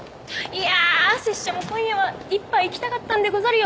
いやぁ拙者も今夜は一杯行きたかったんでござるよ。